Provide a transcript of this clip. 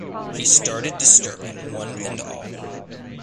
He started disturbing one and all.